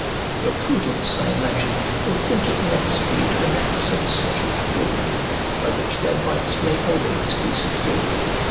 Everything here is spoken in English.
Your prudence, I imagine, will think it necessary to enact some settled rule, by which their rights may always be secured.